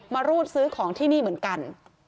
รูดซื้อของที่นี่เหมือนกัน